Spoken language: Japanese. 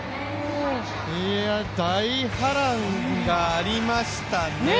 いや、大波乱がありましたね。